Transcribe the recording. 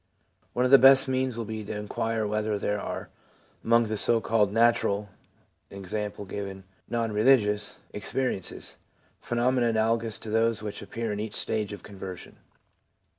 One of the best means will be to inquire whether there are, among the so called natural (i.e., non religious) experiences, phenomena analogous to those which appear in each stage of conversion.